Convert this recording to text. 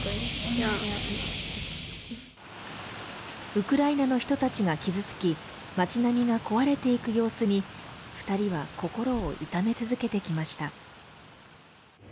ウクライナの人たちが傷つき町並みが壊れていく様子に２人は心を痛め続けてきました。